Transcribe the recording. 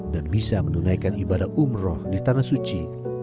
dan bisa menunaikan ibadah umroh di tanah suci